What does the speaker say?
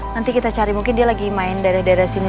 nanti kita cari mungkin dia lagi main daerah daerah sini